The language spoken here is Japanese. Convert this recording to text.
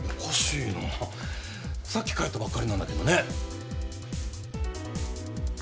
さっき帰ったばっかりなんだけどね。